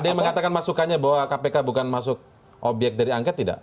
ada yang mengatakan masukannya bahwa kpk bukan masuk obyek dari angket tidak